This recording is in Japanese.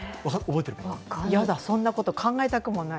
そんなこと、考えたくもない。